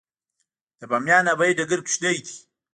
د بامیان هوايي ډګر کوچنی دی